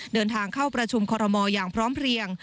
เดินทางเข้าประชุมคอรมอลอย่างพร้อมเพลียง